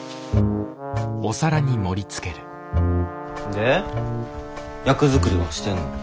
で役作りはしてんの？